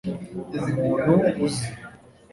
umuntu uzi